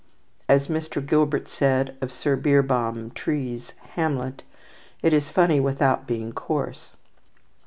As Mr. Gilbert said of Sir Beerbohm Tree's "Hamlet," it is funny without being coarse.